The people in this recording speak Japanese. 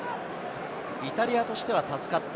イタリアとしては助かった。